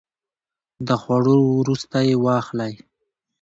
د خوړو وروسته یی واخلئ